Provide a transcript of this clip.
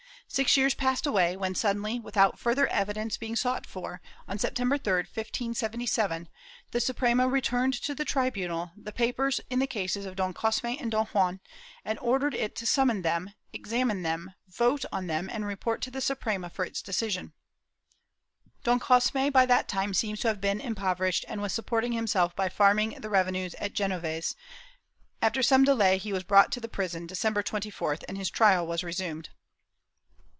Six years passed away when suddenly, without further evidence being sought for, on September 3, 1577, the Suprema returned to the tribunal the papers in the cases of Don Cosme and Don 364 MORISCOS [Book VIII Juan, and ordered it to summon them, examine them, vote on them and report to the Suprema for its decision. Don Cosme by that time seems to have been impoverished, and was supporting himself by farming the revenues at Genoves; after some delay he was brought to the prison, December 24th and his trial was resumed.